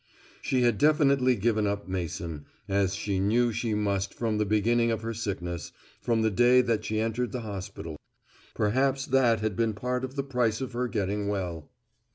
She had definitely given up Mason, as she knew she must from the beginning of her sickness, from the day that she entered the hospital. Perhaps that had been part of the price of her getting well.